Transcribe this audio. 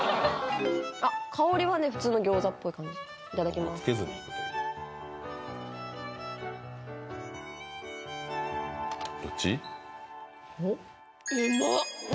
あっ香りはね普通の餃子っぽい感じいただきますどっち？